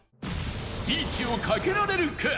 リーチをかけられるか？